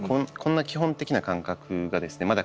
こんな基本的な感覚がですね